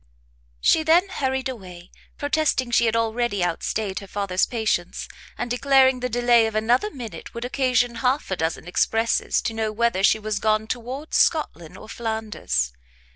She then hurried away, protesting she had already outstayed her father's patience, and declaring the delay of another minute would occasion half a dozen expresses to know whether she was gone towards Scotland or Flanders.